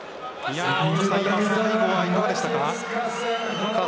最後はいかがでしたか？